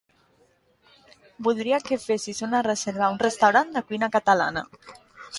Voldria que fessis una reserva a un restaurant de cuina catalana.